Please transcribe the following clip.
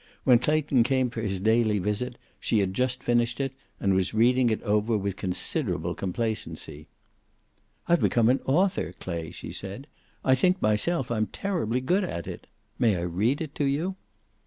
When Clayton came for his daily visit she had just finished it, and was reading it over with considerable complacency. "I've become an author, Clay," she said, "I think myself I'm terribly good at it. May I read it to you?"